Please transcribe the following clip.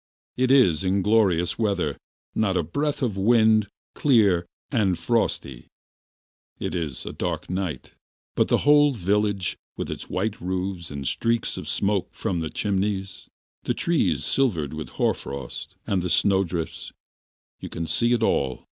It is glorious weather, not a breath of wind, clear, and frosty; it is a dark night, but the whole village, its white roofs and streaks of smoke from the chimneys, the trees silvered with hoar frost, and the snowdrifts, you can see it all.